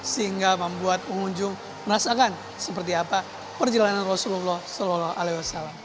sehingga membuat pengunjung merasakan seperti apa perjalanan rasulullah saw